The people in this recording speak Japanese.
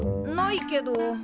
ないけど。